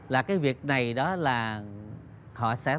là cái việc này đó là họ sẽ